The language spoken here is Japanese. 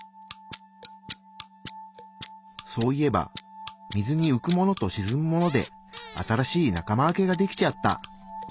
そういえば水にうくものとしずむもので新しい仲間分けができちゃった！